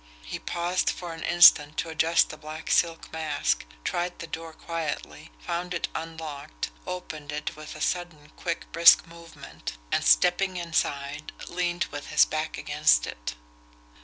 He paused for an instant to adjust the black silk mask, tried the door quietly, found it unlocked, opened it with a sudden, quick, brisk movement and, stepping in side, leaned with his back against it.